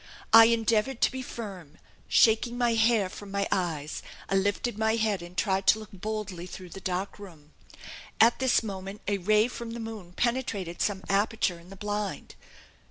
. I endeavoured to be firm; shaking my hair from my eyes, I lifted my head and tried to look boldly through the dark room; at this moment, a ray from the moon penetrated some aperture in the blind.